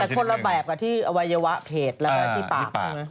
แต่คนละแบบกับที่อวัยวะเพศแล้วก็ที่ปากใช่ไหม